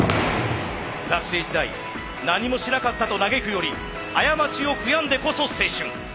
学生時代何もしなかったと嘆くより過ちを悔やんでこそ青春。